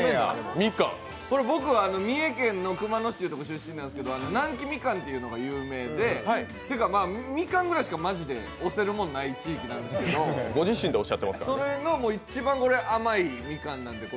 これ僕、三重県熊野市の出身なんですけど、南紀みかんっていうのが有名でみかんぐらいしか、マジで推せるものがない地域なんですけど、それの一番甘いみかんなんです。